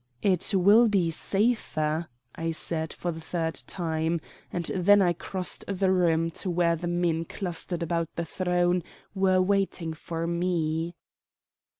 "It will be safer," I said for the third time; and then I crossed the room to where the men clustered about the throne were waiting for me.